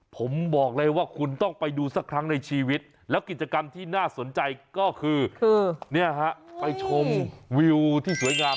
ผมบอกเลยว่าคุณต้องไปดูสักครั้งในชีวิตแล้วกิจกรรมที่น่าสนใจก็คือเนี่ยฮะไปชมวิวที่สวยงาม